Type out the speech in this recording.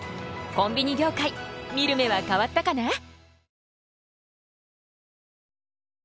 コンビニ業界見る目は変わったかな？